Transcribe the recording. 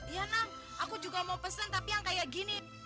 iya aku juga mau pesan tapi yang kayak gini